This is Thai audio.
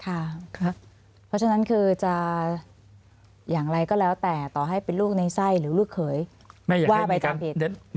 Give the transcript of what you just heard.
เพราะฉะนั้นคือจะอย่างไรก็แล้วแต่ต่อให้เป็นลูกในไส้หรือลูกเขยว่าไปตามเด็ก